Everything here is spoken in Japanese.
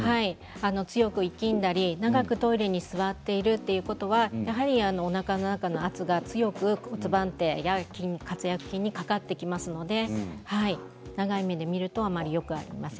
強く息んだり長くトイレに座っているということはおなかの中の圧が強く骨盤底筋や括約筋にかかってきますので長い目で見るとよくありません。